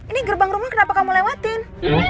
ini gerbang rumah kenapa kamu lewatin